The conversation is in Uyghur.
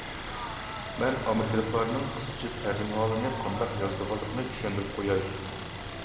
مەن ئامېرىكىلىقلارنىڭ قىسقىچە تەرجىمىھالىنى قانداق يازىدىغانلىقىنى چۈشەندۈرۈپ قوياي.